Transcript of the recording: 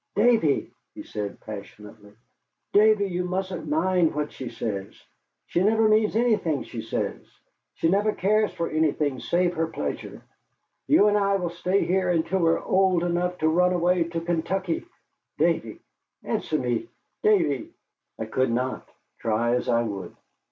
"Davy," he said passionately, "Davy, you mustn't mind what she says. She never means anything she says she never cares for anything save her pleasure. You and I will stay here until we are old enough to run away to Kentucky. Davy! Answer me, Davy!" I could not, try as I would.